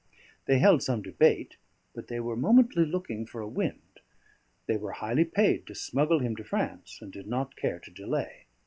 They held some debate, but they were momently looking for a wind, they were highly paid to smuggle him to France, and did not care to delay.